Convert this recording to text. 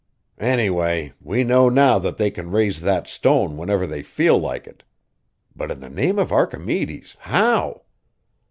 "Anyway, we know now that they can raise that stone whenever they feel like it. But in the name of Archimedes, how?"